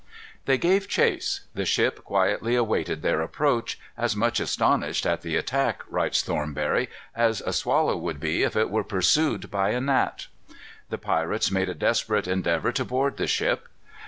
They gave chase. The ship quietly awaited their approach; "as much astonished at the attack," writes Thornbury, "as a swallow would be if it were pursued by a gnat." The pirates made a desperate endeavor to board the ship.